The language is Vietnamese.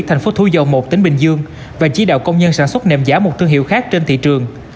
thành phố thu dầu một tỉnh bình dương và chỉ đạo công nhân sản xuất nệm giả một thương hiệu khác trên thị trường